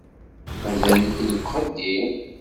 Mazal-ik deg uxeddim?